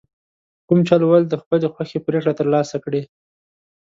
په کوم چل ول د خپلې خوښې پرېکړه ترلاسه کړي.